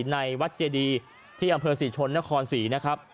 ในวัดเจดีที่อำเภอศรีชนนครศรีนะครับ